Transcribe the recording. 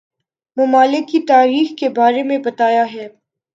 ممالک کی تاریخ کے بارے میں بتایا ہے